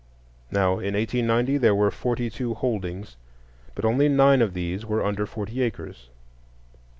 Now in 1890 there were forty four holdings, but only nine of these were under forty acres.